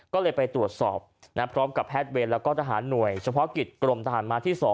ก็เลยไปตรวจสอบพร้อมกับแพทย์เวรแล้วก็ทหารหน่วยเฉพาะกิจกรมทหารมาที่๒